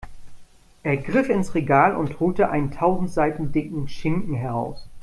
Er griff ins Regal und holte einen tausend Seiten dicken Schinken heraus.